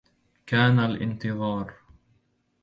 كان الانتظار